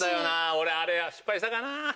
俺あれ失敗したかな。